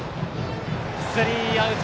スリーアウト。